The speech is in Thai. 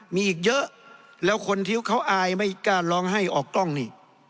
มีอีกเยอะแล้วคนที่เขาอายไม่กล้าร้องไห้ออกกล้องนี่